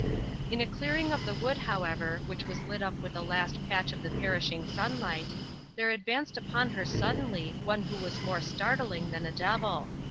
In a clearing of the wood, however, which was lit up with a last patch of the perishing sunlight, there advanced upon her suddenly one who was more startling than a devil.